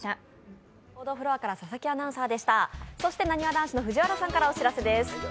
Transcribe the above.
なにわ男子の藤原さんからお知らせです。